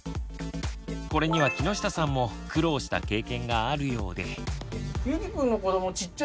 これには木下さんも苦労した経験があるようで。